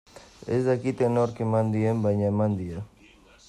Ez dakite nork eman dien, baina eman die.